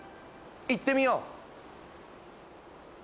行ってみよう！